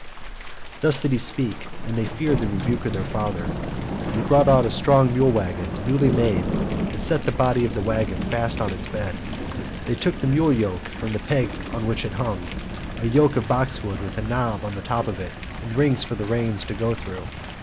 Thus did he speak, and they feared the rebuke of their father. They brought out a strong mule waggon, newly made, and set the body of the waggon fast on its bed. They took the mule yoke from the peg on which it hung, a yoke of boxwood with a knob on the top of it and rings for the reins to go through.